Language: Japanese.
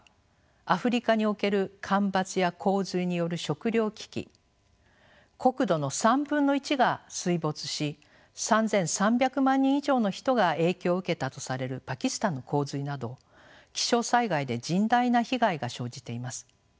アフリカにおける干ばつや洪水による食料危機国土の３分の１が水没し３，３００万人以上の人が影響を受けたとされるパキスタンの洪水など気象災害で甚大な被害が生じています。